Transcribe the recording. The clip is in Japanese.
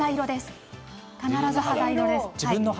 必ず肌色です。